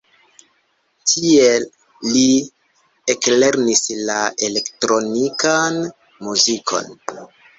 Tie li eklernis la elektronikan muzikon.